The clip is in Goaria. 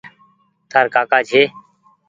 تآر ڪآڪآ ڇي۔